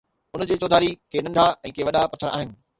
ان جي چوڌاري ڪي ننڍا ۽ ڪي وڏا پٿر آهن